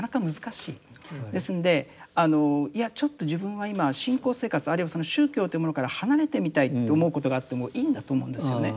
ですんであのいやちょっと自分は今信仰生活あるいは宗教というものから離れてみたいと思うことがあってもいいんだと思うんですよね。